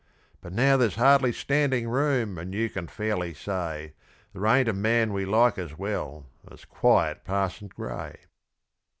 But now there's hardly standing room, and you can fairly say There ain't a man we like as well as quiet Parson Grey.